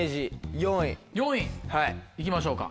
４位行きましょうか。